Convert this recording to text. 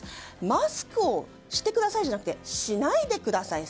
マスクをしてくださいじゃなくてしないでくださいと。